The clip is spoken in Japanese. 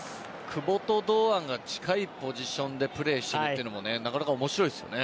久保と堂安が近いポジションでプレーしているというのもなかなか面白いですよね。